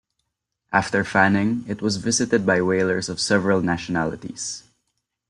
After Fanning, it was visited by whalers of several nationalities.